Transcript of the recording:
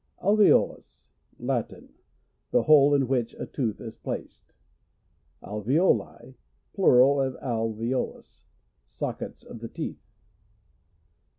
Alveolus. — Latin. The hole in which a tooth is placed. Alveoli. — PJural of alveolus. Sock ^ ets of the teeth.